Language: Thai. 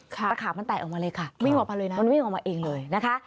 ตะขาบมันแตกออกมาเลยค่ะมันวิ่งออกมาเองเลยนะคะ